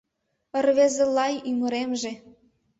Ырвезы-лай ӱмыремже